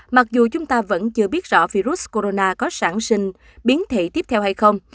mặc dù chúng ta vẫn chưa biết rõ virus corona có sản sinh biến thị tiếp theo hay không